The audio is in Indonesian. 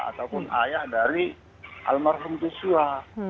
ataupun ayah dari almarhum joshua